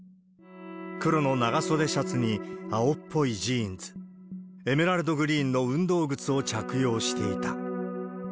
黒の長袖シャツに青っぽいジーンズ、エメラルドグリーンの運動靴を着用していた。